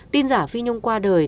tin giả phi nhung qua đời